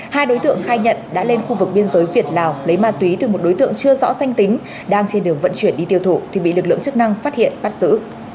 hai đối tượng khai nhận đã lên khu vực biên giới việt lào lấy ma túy từ một đối tượng chưa rõ danh tính đang trên đường vận chuyển đi tiêu thụ thì bị lực lượng chức năng phát hiện bắt giữ